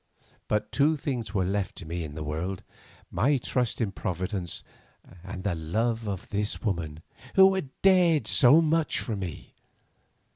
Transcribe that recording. But two things were left to me in the world, my trust in Providence and the love of this woman, who had dared so much for me.